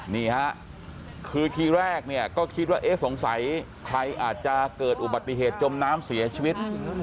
นี่ฮะคือทีแรกเนี่ยก็คิดว่าเอ๊ะสงสัยใครอาจจะเกิดอุบัติเหตุจมน้ำเสียชีวิต